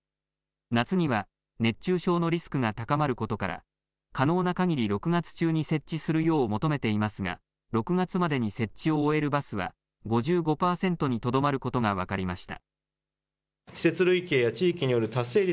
夏には熱中症のリスクが高まることから可能なかぎり６月中に設置するよう求めていますが６月までに設置を終えるバスは５５％にとどまることが分かりました。